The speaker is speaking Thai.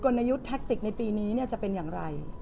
ลยุทธ์แท็กติกในปีนี้จะเป็นอย่างไร